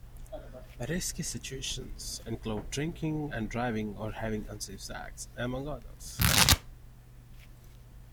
Risky situations include drinking and driving or having unsafe sex among others.